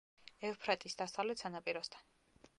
ევფრატის დასავლეთ სანაპიროსთან.